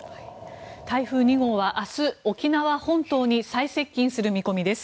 台風２号は明日沖縄本島に最接近する見込みです。